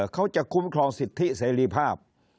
เขาจะคุ้มครองสิทธิเสรีภาพ